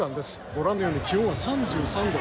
ご覧のように気温は３３度。